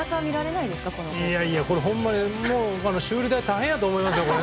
いやいや、ほんまに修理代が大変やと思いますよ。